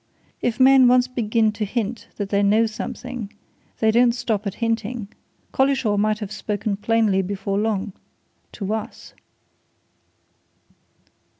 If men once begin to hint that they know something, they don't stop at hinting. Collishaw might have spoken plainly before long to us!"